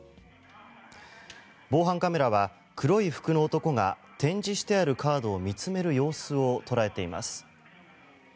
防犯カメラは黒い服の男が展示してあるカードを見つめる様子を捉えています。